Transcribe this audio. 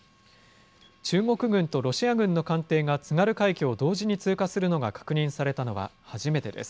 中国軍とロシア軍の艦艇が津軽海峡を同時に通過するのが確認されたのは初めてです。